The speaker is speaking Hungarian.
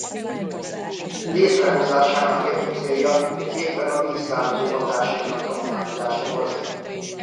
Létrehozásának egyik célja éppen a víztározó hatásainak tanulmányozása volt.